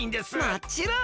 もっちろん！